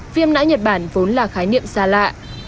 viêm não nhật bản vốn là khái niệm xa lạ